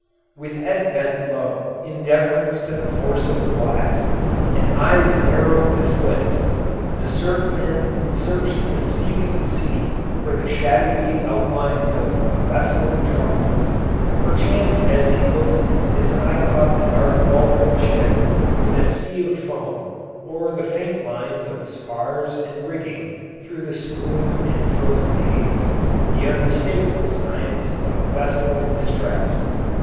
With head bent low in deference to the force of the blast, and eyes narrowed to slits, the surfman searched the seething sea for the shadowy outlines of a vessel in trouble. Perchance as he looked his eye caught the dark bulk of a ship in a sea of foam, or the faint lines of spars and rigging through the spume and frozen haze the unmistakable signs of a vessel in distress.